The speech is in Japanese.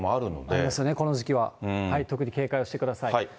ありますよね、この時期は、特に警戒をしてください。